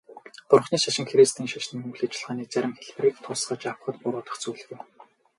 Бурханы шашин христийн шашны үйл ажиллагааны зарим хэлбэрийг тусгаж авахад буруудах зүйлгүй.